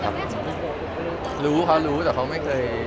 แบบรู้แบบทำไม